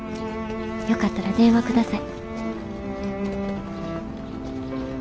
よかったら電話ください」。